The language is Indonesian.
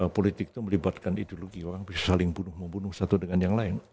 politik itu melibatkan ideologi orang bisa saling bunuh membunuh satu dengan yang lain